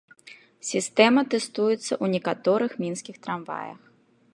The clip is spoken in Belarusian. Сістэма тэстуецца ў некаторых мінскіх трамваях.